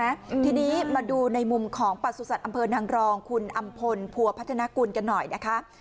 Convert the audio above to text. อืมทีนี้มาดูในมุมของประสุทธิ์อำเภอนางรองคุณอำพลพัวพัฒนากุลกันหน่อยนะคะ